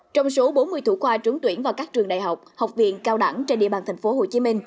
trong số bốn mươi thủ khoa trúng tuyển vào các trường đại học học viện cao đẳng trên địa bàn tp hcm